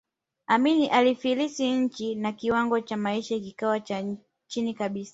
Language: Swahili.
Amin aliifilisi nchi na kiwango cha maisha kikawa cha chini kabisa